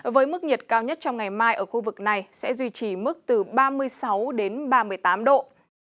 với mức nhiệt cao nhất trong ngày mai ở khu vực này sẽ duy trì mức từ ba mươi sáu ba mươi tám độ